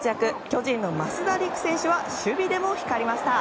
巨人の増田陸選手は守備でも光りました。